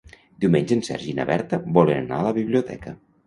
Diumenge en Sergi i na Berta volen anar a la biblioteca.